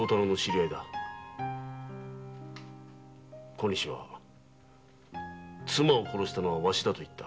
小西は「妻を殺したのはワシだ」と言った。